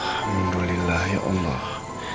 alhamdulillah ya allah